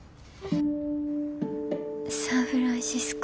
サンフランシスコ